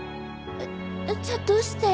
じゃあどうして？